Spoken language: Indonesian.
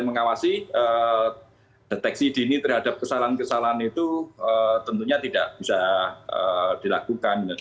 mengawasi deteksi dini terhadap kesalahan kesalahan itu tentunya tidak bisa dilakukan